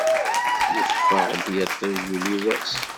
Yeffeɣ-d yiṭij, yuli wass.